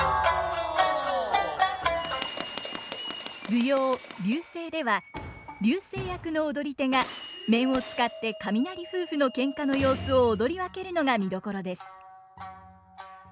舞踊「流星」では流星役の踊り手が面を使って雷夫婦のけんかの様子を踊り分けるのが見どころです。